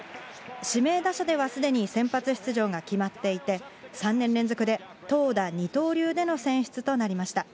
指名打者では既に先発出場が決まっていて、３年連続で投打二刀流での選出となりました。